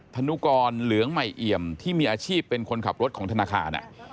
ธนุกรเหลืองใหม่เอี่ยมที่มีอาชีพเป็นคนขับรถของธนาคาร